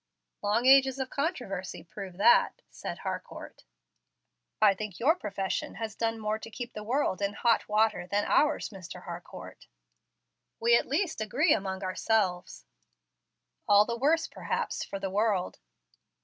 "Long ages of controversy prove that," said Harcourt. "I think your profession has done more to keep the world in hot water than ours, Mr. Harcourt." "We at least agree among ourselves." "All the worse, perhaps, for the world."